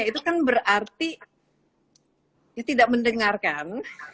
itu kan berarti dia tidak mendengarkan